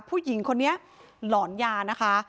ผู้หญิงคนนี้หลอนยานะคะ